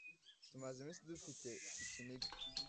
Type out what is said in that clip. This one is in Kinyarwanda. Tumaze iminsi dufite ikiniga